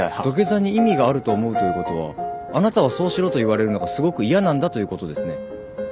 土下座に意味があると思うということはあなたはそうしろと言われるのがすごく嫌なんだということですね。